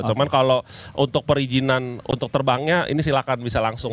cuma kalau untuk perizinan untuk terbangnya ini silahkan bisa langsung